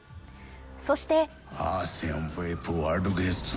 そして。